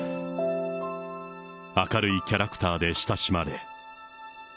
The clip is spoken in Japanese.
明るいキャラクターで親しまれ。